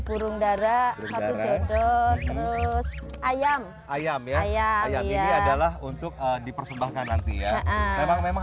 burung darah habu gedut terus ayam ayam ayam ya adalah untuk dipersembahkan nanti ya memang